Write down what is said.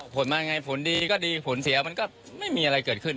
ผลมายังไงผลดีก็ดีผลเสียมันก็ไม่มีอะไรเกิดขึ้น